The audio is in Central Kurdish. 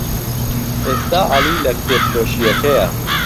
ئێستا عەلی لە کتێبفرۆشییەکەیە.